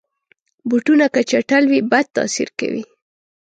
بوټونه که چټل وي، بد تاثیر کوي.